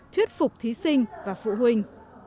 thuyết phục thí sinh và phụ huynh